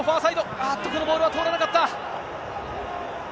あっと、このボールは通らなかった。